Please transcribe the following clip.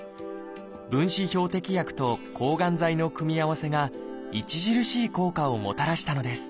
分子標的薬と抗がん剤の組み合わせが著しい効果をもたらしたのです。